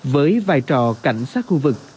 với vai trò cảnh sát khu vực